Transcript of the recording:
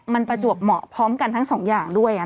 มันประจวบเหมาะพร้อมกันทั้งสองอย่างด้วย